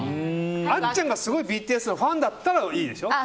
あっちゃんがすごいＢＴＳのファンだったらいいでしょ？